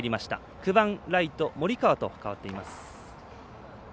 ９番ライト森川と代わっています。